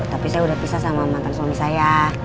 tapi saya udah pisah sama mantan suami saya